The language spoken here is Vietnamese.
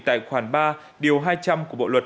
tại khoản ba điều hai trăm linh của bộ luật